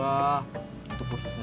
ini juga bananas mah